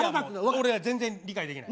俺は全然理解できない。